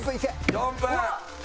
４分！